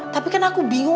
tapi kan aku bingung